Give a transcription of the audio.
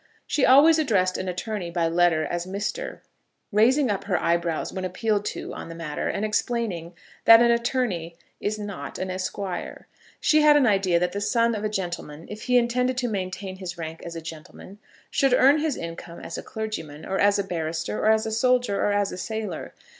She always addressed an attorney by letter as Mister, raising up her eyebrows when appealed to on the matter, and explaining that an attorney is not an esquire. She had an idea that the son of a gentleman, if he intended to maintain his rank as a gentleman, should earn his income as a clergyman, or as a barrister, or as a soldier, or as a sailor.